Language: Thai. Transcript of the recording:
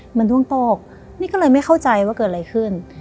ดวงตกนี่ก็เลยไม่เข้าใจว่าเกิดอะไรขึ้น